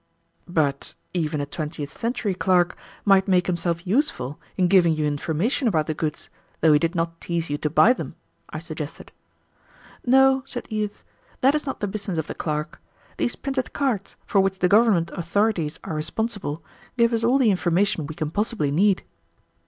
"But even a twentieth century clerk might make himself useful in giving you information about the goods, though he did not tease you to buy them," I suggested. "No," said Edith, "that is not the business of the clerk. These printed cards, for which the government authorities are responsible, give us all the information we can possibly need."